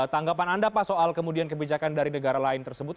tanggapan anda pak soal kemudian kebijakan dari negara lain tersebut